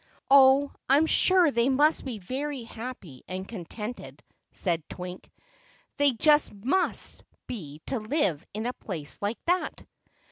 "Oh, I'm sure they must be very happy and contented," said Twink. "They just must be to live in a place like that."